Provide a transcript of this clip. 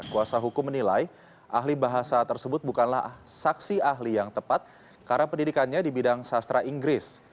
kuasa hukum menilai ahli bahasa tersebut bukanlah saksi ahli yang tepat karena pendidikannya di bidang sastra inggris